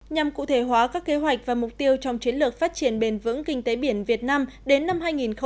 nhằm cụ thể hóa các kế hoạch và mục tiêu trong chiến lược phát triển bền vững kinh tế biển việt nam đến năm hai nghìn ba mươi